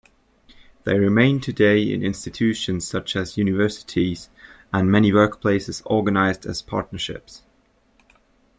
They remain today in institutions such as universities, and many workplaces organised as partnerships.